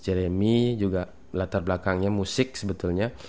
jeremy juga latar belakangnya musik sebetulnya